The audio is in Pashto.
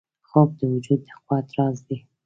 خوب د وجود د قوت راز دی